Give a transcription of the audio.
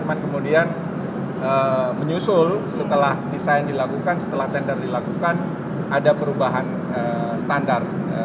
cuman kemudian menyusul setelah desain dilakukan setelah tender dilakukan ada perubahan standar